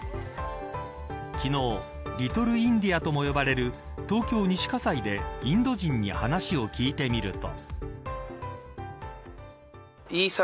昨日、リトルインディアとも呼ばれる東京、西葛西でインド人に話を聞いてみると。